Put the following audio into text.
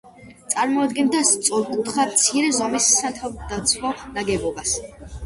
წარმოადგენდა სწორკუთხა, მცირე ზომის სათავდაცვო ნაგებობას.